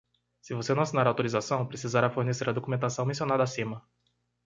Se você não assinar a autorização, precisará fornecer a documentação mencionada acima.